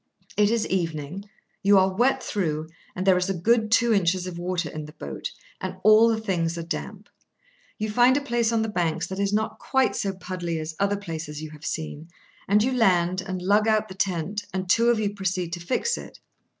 It is evening. You are wet through, and there is a good two inches of water in the boat, and all the things are damp. You find a place on the banks that is not quite so puddly as other places you have seen, and you land and lug out the tent, and two of you proceed to fix it.